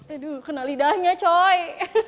aduh kena lidahnya coy